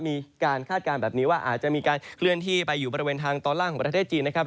คาดการณ์แบบนี้ว่าอาจจะมีการเคลื่อนที่ไปอยู่บริเวณทางตอนล่างของประเทศจีนนะครับ